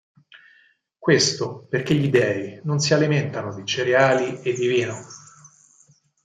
Questo perché gli dèi non si alimentano di cereali e di vino.